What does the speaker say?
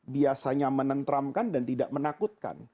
biasanya menentramkan dan tidak menakutkan